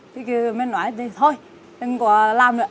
thì mình nói thì thôi đừng có làm nữa